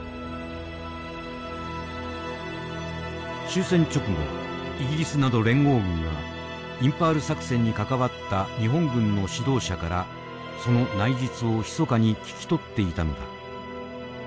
終戦直後イギリスなど連合軍がインパール作戦に関わった日本軍の指導者からその内実をひそかに聞き取っていたのだ。